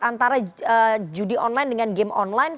antara judi online dengan game online